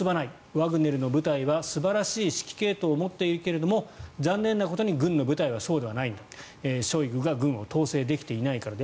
ワグネルの部隊は素晴らしい指揮系統を持っているが残念なことに軍の部隊はそうではないんだショイグが軍を統制できていないからだ。